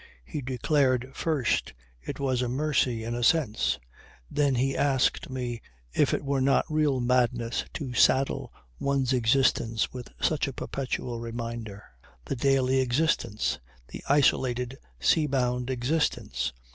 He declared first it was a mercy in a sense. Then he asked me if it were not real madness, to saddle one's existence with such a perpetual reminder. The daily existence. The isolated sea bound existence.